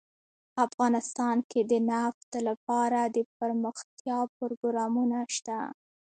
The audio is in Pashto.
افغانستان کې د نفت لپاره دپرمختیا پروګرامونه شته.